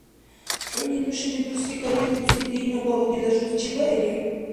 Хӏуни нушани дурсри кадирхьуси динна багьудила жуз чебаирив?